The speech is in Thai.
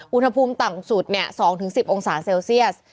อุณหภูมิต่ำสุด๒๑๐องศาเซลเซียส